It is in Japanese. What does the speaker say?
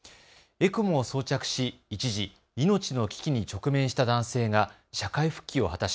ＥＣＭＯを装着し一時、命の危機に直面した男性が社会復帰を果たし